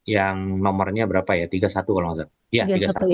yang nomornya berapa ya tiga puluh satu kalau nggak salah